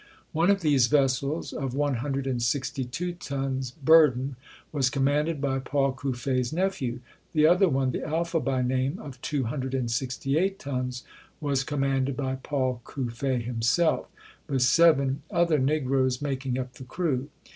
One of these vessels, of one hundred and sixty two tons burden, was commanded by Paul Cuffe's nephew. The other one, "The Alpha" by name, of two hundred and sixty eight tons, was com manded by Paul Cuffe himself, with seven other Negroes making up the crew.